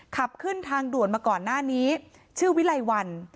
ขับขึ้นทางด่วนมาก่อนหน้านี้ชื่อวิไลวัน